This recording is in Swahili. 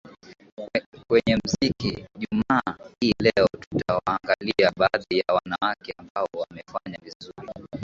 kwenye muziki jumaa hii leo tutawaangalia baadhi ya wanawake ambao wamefanya vizuri